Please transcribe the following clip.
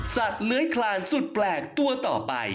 สัตว์เล้ยคลานสุดแปลกตัวต่อไป